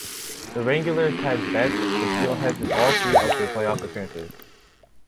The Wranglers had met the Steelheads in all three of their playoff appearances.